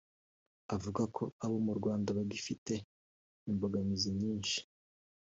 avuga ko abo mu Rwanda bagifite imbogamizi nyinshi